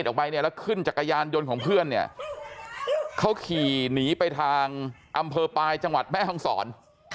แล้วขึ้นจักรยานยนต์ของเพื่อนเขาขี่หนีไปทางอำเภอปลายจังหวัดแม่ฮ่องศร